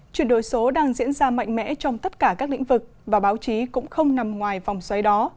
chuyển đổi số đang diễn ra mạnh mẽ trong tất cả các lĩnh vực và báo chí cũng không nằm ngoài vòng xoáy đó